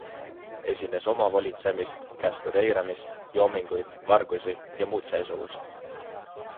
Esines omavolitsemist, käskude eiramist, joominguid, vargusi ja muud seesugust.